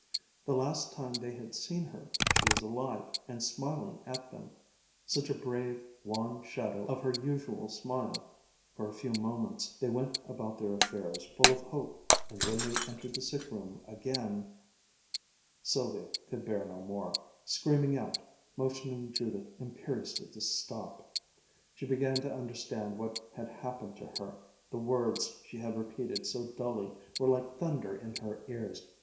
The last time they had seen her, she was alive and smiling at them such a brave, wan shadow of her usual smile for a few moments they went about their affairs, full of hope and when they entered the sick room again Sylvia could bear no more, screaming out, motioning Judith imperiously to stop; she began to understand what had happened to her; the words she had repeated so dully were like thunder in her ears.